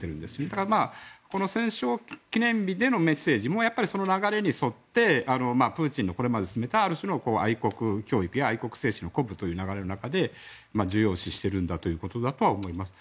ただ、この戦勝記念日でのメッセージもその流れに沿って、プーチンのこれまで進めた愛国教育や愛国精神、鼓舞という流れの中で、重要視しているんだということだと思います。